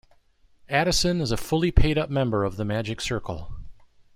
Addison is a fully paid-up member of The Magic Circle.